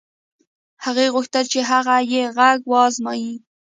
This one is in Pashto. هغې غوښتل چې هغه يې غږ و ازمايي.